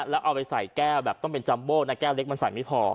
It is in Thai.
แล้วเอาไปใส่แก้วแบบต้องเป็นจัมโบ้นะแก้วเล็กมันใส่ไม่พอ